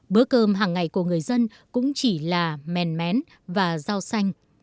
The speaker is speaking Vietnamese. bữa cơm hàng ngày của người dân cũng chỉ là mèn mén và rau xanh